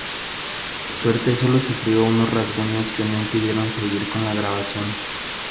Por suerte sólo sufrió unos rasguños que no impidieron seguir con la grabación.